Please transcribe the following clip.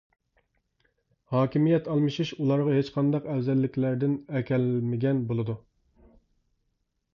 ھاكىمىيەت ئالمىشىش ئۇلارغا ھېچقانداق ئەۋزەللىكلەردىن ئەكەلمىگەن بولىدۇ.